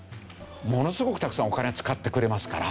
ものすごくたくさんお金使ってくれますから。